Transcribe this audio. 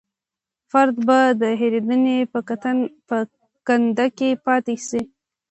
فرد به د هېرېدنې په کنده کې پاتې شي.